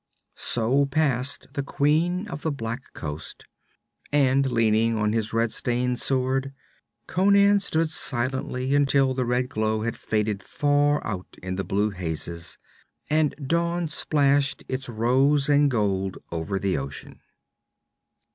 So passed the Queen of the Black Coast, and leaning on his red stained sword, Conan stood silently until the red glow had faded far out in the blue hazes and dawn splashed its rose and gold over the ocean.